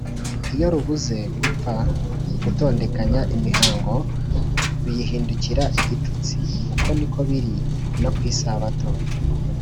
iyo rubuze, gupfa gutondekanya imihango biyihindukira igitutsi uko ni ko biri no ku isabato